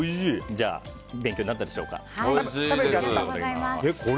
じゃあ、勉強になったでしょうか。